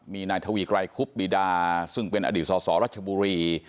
มีนายทวีไกรคุบบีดาซึ่งเป็นอดีตสสรัชบุรี